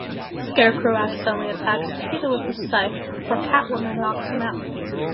Scarecrow accidentally attacks Cheetah with his scythe before Catwoman knocks him out.